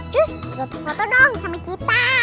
justus foto dong sama kita